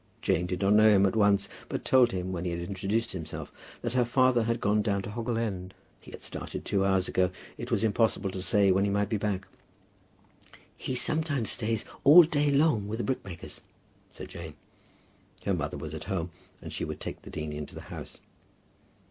Jane did not know him at once, but told him when he had introduced himself that her father had gone down to Hoggle End. He had started two hours ago, but it was impossible to say when he might be back. "He sometimes stays all day long with the brickmakers," said Jane. Her mother was at home, and she would take the dean into the house.